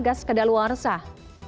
gas kedaluar sah